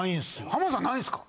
浜田さんないんですか？